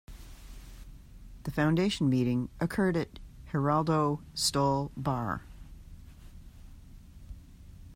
The foundation meeting occurred at Geraldo Stoll Bar.